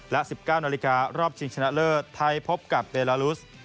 และ๑๙นาฬิการอบชิงชนะเลิศไทยพบกับเดลาลุส